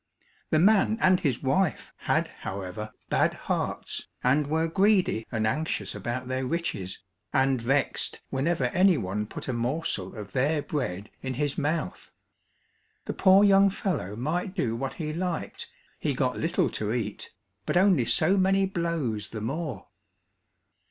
The man and his wife, had however, bad hearts, and were greedy and anxious about their riches, and vexed whenever any one put a morsel of their bread in his mouth. The poor young fellow might do what he liked, he got little to eat, but only so many blows the more.